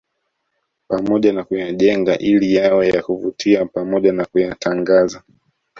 Pamoja na kuyajenga ili yawe ya kuvutia pamoja na kuyatangaza